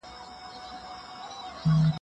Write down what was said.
پخوانۍ کلاګانې شریکه کوڅه او مرکزي دروازه لري.